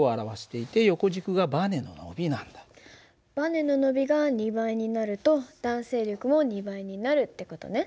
ばねの伸びが２倍になると弾性力も２倍になるって事ね。